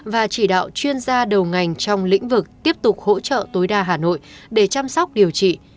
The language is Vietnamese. và chỉ đạo chuyên gia đầu ngành trong lĩnh vực tiếp tục hỗ trợ tối đa hà nội để chăm sóc điều trị